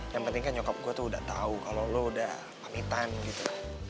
yang penting nyokap gue udah tau kalo lo udah pamitan gitu